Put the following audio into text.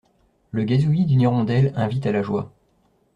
Le gazouillis d’une hirondelle invite à la joie.